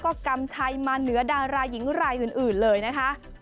ก็กำชัยมาเหนือดาราหญิงรายอื่นเลยนะคะ